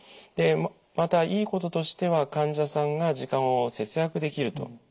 でまたいいこととしては患者さんが時間を節約できると。